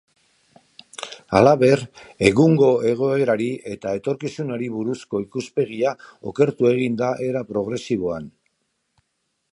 Halaber, egungo egoerari eta etorkizunari buruzko ikuspegia okertu egin da era progresiboan.